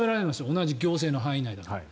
同じ行政の範囲内だから。